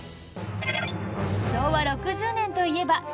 昭和６０年といえば。